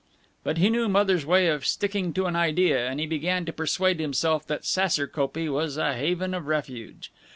But he knew Mother's way of sticking to an idea, and he began to persuade himself that Saserkopee was a haven of refuge.